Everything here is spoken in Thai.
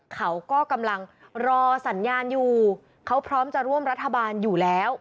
เขาก็กำลังรอสัญญาณอยู่เขาพร้อมจะร่วมรัฐบาลอยู่แล้ว